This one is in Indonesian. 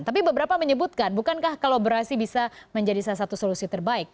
tapi beberapa menyebutkan bukankah kolaborasi bisa menjadi salah satu solusi terbaik